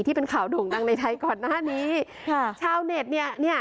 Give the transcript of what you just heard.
ที่เป็นข่าวโด่งดังในไทยก่อนหน้านี้ค่ะชาวเน็ตเนี่ยเนี่ย